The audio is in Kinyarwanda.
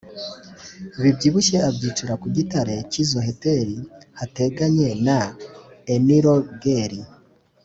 bibyibushye abyicira ku gitare cy’i Zoheleti hateganye na Enirogeli